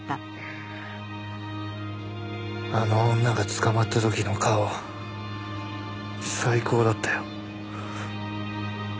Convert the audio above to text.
あの女が捕まった時の顔最高だったよ。